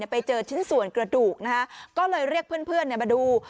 ไปเจอชิ้นส่วนกระดูกก็เลยเรียกเพื่อนมาดู